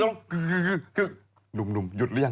นั่งหนุ่มหยุดอย่าง